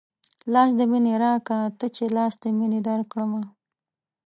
لاس د مينې راکه تۀ چې لاس د مينې درکړمه